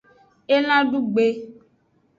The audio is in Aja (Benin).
Elan dugbe.